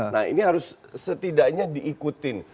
nah ini harus setidaknya diikutin